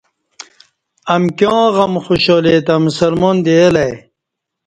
امکیاں غم خوشحالی تہ مسلمان دی الہ ائی